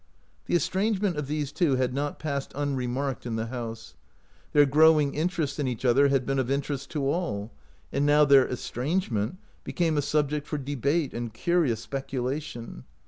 The estrangement of these two had not passed unremarked in the house. Their growing interest in each other had been of interest to all, and now their estrangement became a subject for debate and curious speculation.